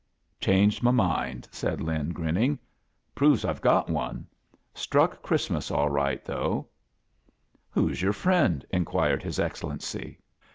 "Changed my mind," said Lin, grinning. "Proves Fve got one. Struck Christmas all right, though." "Who's your friend?" inquired his Ex cellency.